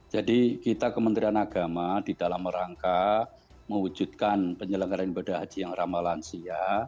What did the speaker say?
jadi kita kementerian agama di dalam rangka mewujudkan penyelenggaraan ibadah haji yang ramah lansia